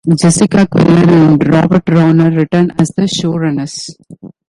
Jessica Queller and Robert Rovner return as the showrunners.